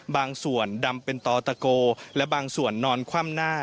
บางส่วนดำเป็นต่อตะโกและบางส่วนนอนคว่ำหน้า